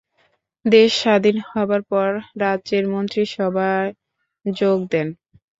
দেশ স্বাধীন হবার পর রাজ্যের মন্ত্রীসভায় যোগ দেন।